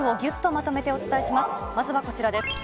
まずはこちらです。